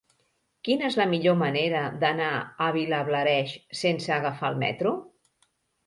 Quina és la millor manera d'anar a Vilablareix sense agafar el metro?